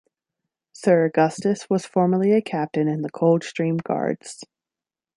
Sir Augustus was formerly a captain in the Coldstream Guards.